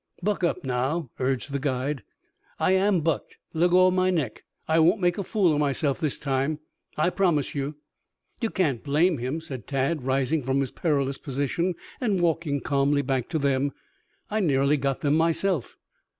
"Buck up now!" urged the guide. "I am bucked. Leggo my neck. I won't make a fool of myself this time, I promise you." "You can't blame him," said Tad, rising from his perilous position and walking calmly back to them. "I nearly got them myself."